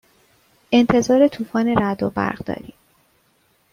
انتظار طوفان رعد و برق داریم.